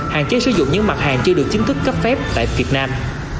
hạn chế sử dụng những mặt hàng chưa được chính thức cấp phép tại việt nam